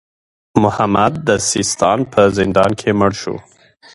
محمد د سیستان په زندان کې مړ شو.